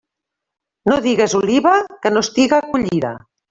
No digues oliva que no estiga collida-.